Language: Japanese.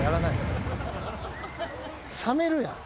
冷めるやん。